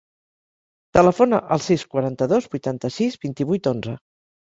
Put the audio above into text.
Telefona al sis, quaranta-dos, vuitanta-sis, vint-i-vuit, onze.